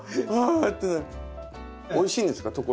おいしいんですか？